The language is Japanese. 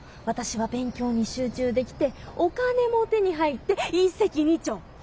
私は勉強に集中できてお金も手に入って一石二鳥。